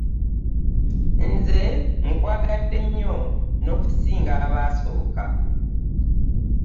Nze nkwagadde nnyo n'okusinga abaasooka.